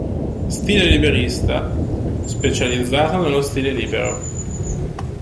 "Stile liberista": Specializzato nello stile libero.